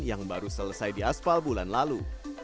yang baru selesai di aspal bulan lalu